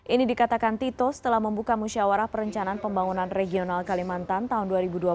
ini dikatakan tito setelah membuka musyawarah perencanaan pembangunan regional kalimantan tahun dua ribu dua puluh